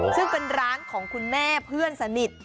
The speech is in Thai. ซึ่งเป็นร้านของคุณแม่เพื่อนสนิท